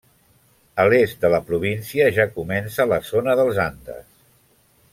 A l'est de la província ja comença la zona dels Andes.